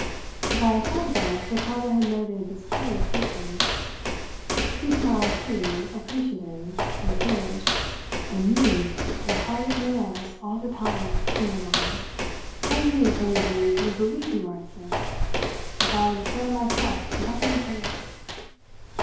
By a side glance Ricardo had noted this play of features. He smiled, too, appreciative, encouraged. "And you as hard as nails all the time," he went on. "Hang me if anybody would believe you aren't sick, if I were to swear myself black in the face!